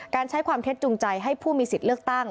ใช้ความเท็จจุงใจให้ผู้มีสิทธิ์เลือกตั้ง